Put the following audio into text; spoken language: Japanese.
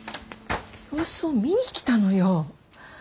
様子を見に来たのよ。